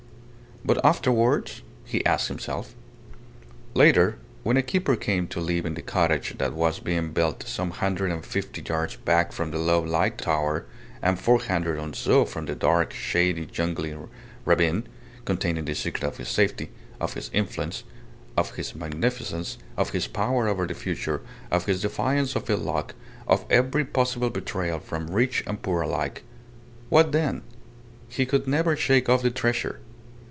But afterwards? he asked himself. Later, when a keeper came to live in the cottage that was being built some hundred and fifty yards back from the low lighttower, and four hundred or so from the dark, shaded, jungly ravine, containing the secret of his safety, of his influence, of his magnificence, of his power over the future, of his defiance of ill luck, of every possible betrayal from rich and poor alike what then? He could never shake off the treasure.